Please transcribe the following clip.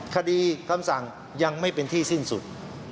คำสั่งยังไม่เป็นที่สิ้นสุด